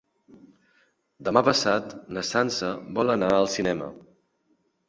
Demà passat na Sança vol anar al cinema.